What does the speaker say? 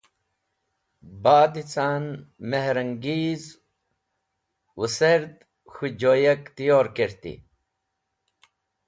Ba’d ca’n Mehrangez wẽserd (k̃hũ joyak) tiyor kerti.